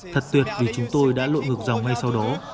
thật tuyệt vì chúng tôi đã lội ngược dòng ngay sau đó